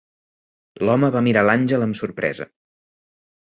L'home va mirar l'àngel amb sorpresa.